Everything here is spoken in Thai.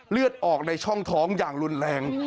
เลือดออกในช่องท้องอย่างรุนแรง